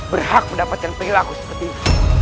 berhak mendapatkan perilaku seperti itu